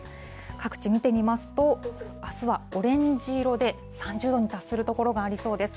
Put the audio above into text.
各地見てみますと、あすはオレンジ色で、３０度に達する所がありそうです。